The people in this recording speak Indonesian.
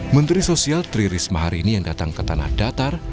menteri sosial tri risma hari ini yang datang ke tanah datar